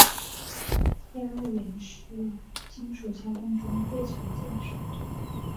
压延是金属加工中最常用的手段。